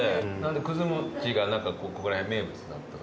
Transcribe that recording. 久寿餅がここら辺名物だったとか。